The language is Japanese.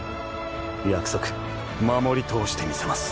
約束守り通してみせます！